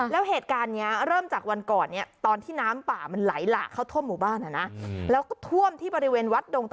แล้วเหตุการณ์นี้เริ่มจากวันก่อนเนี่ยตอนที่น้ำป่ามันไหลหลากเข้าทั่วหมู่บ้านนะ